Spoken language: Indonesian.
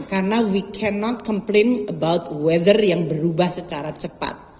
karena we cannot complain about weather yang berubah secara cepat